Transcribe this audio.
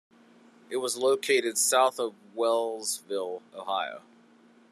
It was located south of Wellsville, Ohio.